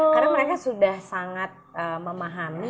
karena mereka sudah sangat memahami